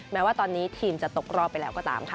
แม้ว่าตอนนี้ทีมจะตกรอบไปแล้วก็ตามค่ะ